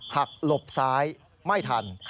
หลบซ้ายไม่ทัน